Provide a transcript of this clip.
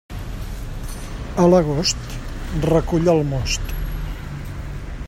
A l'agost, recull el most.